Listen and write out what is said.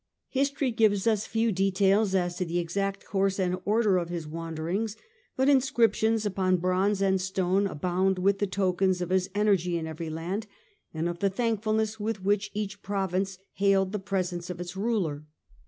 History gives us few details as to the exact course and order of his wanderings, but inscriptions upon bronze and stone abound with the tokens of his energy in every land, and of the thankfulness with which each province hailed the presence of its ruler.